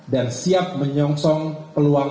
dan siap menyongsong peluang peluang